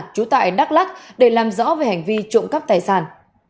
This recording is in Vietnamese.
trú tại đắk lắc để làm rõ về hành vi trộm cắp tài sản